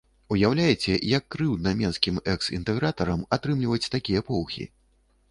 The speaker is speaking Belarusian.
Уяўляеце, як крыўдна менскім экс-інтэгратарам атрымліваць такія поўхі!